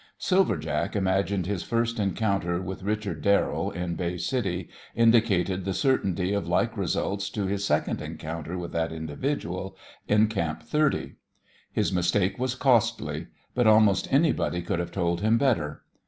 Silver Jack imagined his first encounter with Richard Darrell in Bay City indicated the certainty of like results to his second encounter with that individual in Camp Thirty. His mistake was costly; but almost anybody could have told him better.